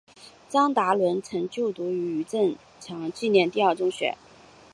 张达伦曾就读余振强纪念第二中学。